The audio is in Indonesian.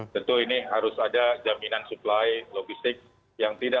tentu ini harus ada jaminan supply logistik yang tidak